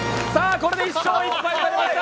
これで１勝１敗となりました。